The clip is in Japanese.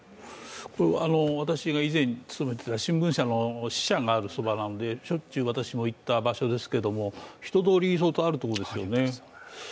私が以前勤めていた新聞社の支社があるそばなのでしょっちゅう私も行った場所ですが、人通りのある場所ですよね。